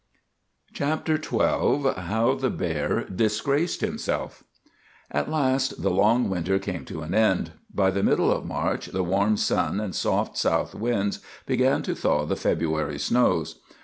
CHAPTER XII HOW THE BEAR DISGRACED HIMSELF At last the long winter came to an end. By the middle of March the warm sun and soft south winds began to thaw the February snows.